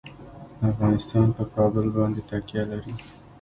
افغانستان په کابل باندې تکیه لري.